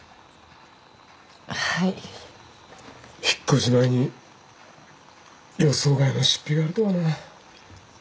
引っ越し前に予想外の出費があるとはな。